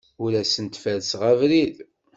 Ur asen-ferrseɣ abrid.